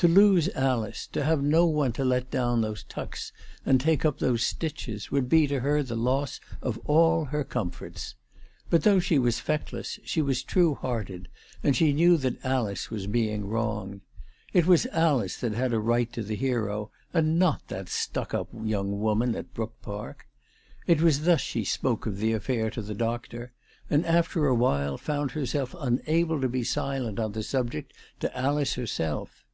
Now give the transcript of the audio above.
To lose Alice, to have no one to let down those tucks and take up those stitches, would be to her the loss of all her comforts. But, though she was feckless, she was true hearted, and she knew that Alice was being wronged. It was Alice that had a right to the hero, and not that stuck up young woman at Brook Park. It was thus she spoke of the affair to the doctor, and after awhile found herself unable to be silent on the subject to Alice herself.